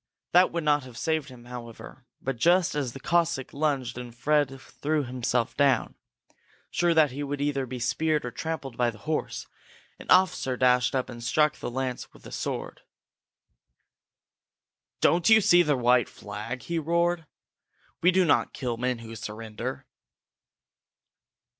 That would not have saved him, however, but just as the Cossack lunged and Fred threw himself down, sure that he would either be speared or trampled by the horse, an officer dashed up and struck up the lance with his sword. "Don't you see the white flag?" he roared. "We do not kill men who surrender!"